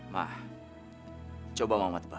ma coba mama tebak